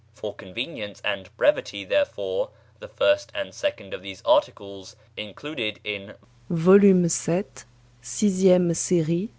For convenience and brevity, therefore, the first and second of these articles, included in vol.